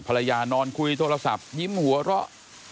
ภรรยานอนคุยโทรศัพท์ยิ้มหัวเต๊ะ